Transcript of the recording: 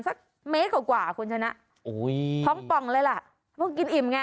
สักเมตรก่อกว่าค่ะคนฉันน่ะโอ้ยท้องป่องเลยล่ะพวกกินอิ่มไง